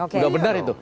sudah benar itu